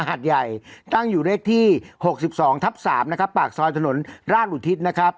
หัดใหญ่ตั้งอยู่เลขที่หกสิบสองทับสามนะครับปากซอยถนนรากหลุดทิศนะครับ